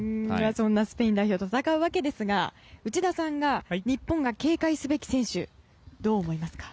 そんなスペイン代表と戦うわけですが内田さんが日本が警戒すべき選手どう思いますか？